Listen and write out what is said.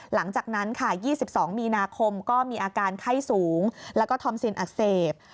หลังจากนั้นค่ะ๒๒มีนาคมก็มีอาการไข้สูงแล้วก็ทอมซินอักเสบ